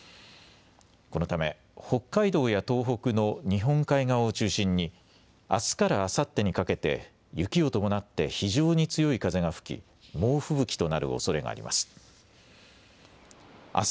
このため北海道や東北の日本海側を中心にあすからあさってにかけて雪を伴って非常に強い風が吹き猛吹雪となるおそれがあります。